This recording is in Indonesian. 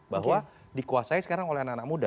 bahwa dikuasai sekarang oleh anak anak muda